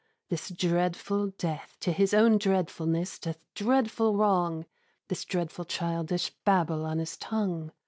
This dreadful Death to his own dreadfulness Doth dreadful wrong, This dreadful childish babble on his tongue!